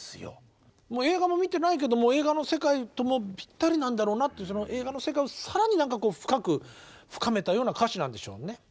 映画も見てないけど映画の世界ともぴったりなんだろうなって映画の世界を更に深く深めたような歌詞なんでしょうね。